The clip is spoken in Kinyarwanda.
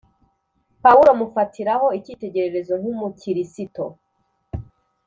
pawulo mufatiraho ikitegererezo nkumu kirisito